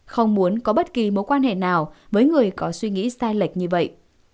không muốn có bất kỳ mối quan hệ nào với người có suy nghĩ sai lệch như vậy